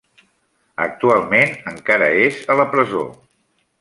Actualment encara és a la presó.